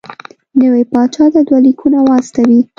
نوي پاچا ته دوه لیکونه واستوي.